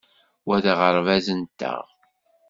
Wa d aɣerbaz-nteɣ.